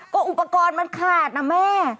ก็อุปกรณ์มันขาดนะแม่